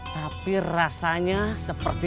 tapi rasanya seperti